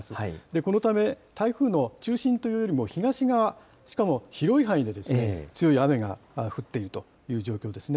このため、台風の中心というよりも東側、しかも広い範囲ですね、強い雨が降っているという状況ですね。